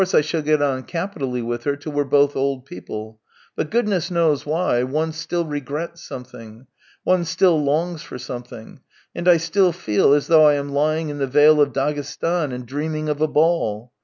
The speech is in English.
I shall get on capitally with her till we're both old people; but, goodness knows why, one still regrets something, one still longs for something, and 1 still feel as though I am lying in the Vale of Daghestan and dreaming of a ball.